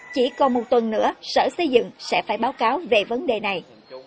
chỉ còn một tuần nữa sở xây dựng sẽ phải báo cáo về vấn đề này